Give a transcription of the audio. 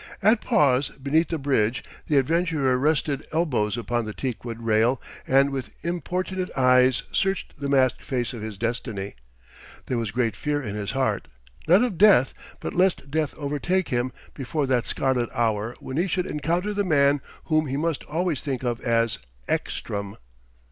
At pause beneath the bridge, the adventurer rested elbows upon the teakwood rail and with importunate eyes searched the masked face of his destiny. There was great fear in his heart, not of death, but lest death overtake him before that scarlet hour when he should encounter the man whom he must always think of as "Ekstrom."